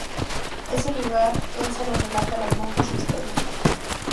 En ese lugar, Elsa les relata a las monjas su historia.